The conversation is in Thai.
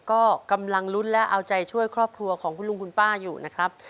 ก็กำลังลุ้นและเอาใจช่วยครอบครัวของคุณลุงคุณป้าอยู่นะครับ